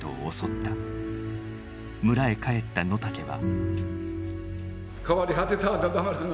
村へ帰った野竹は。